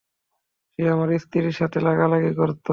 সে আমার স্ত্রীর সাথে লাগালাগি করতো।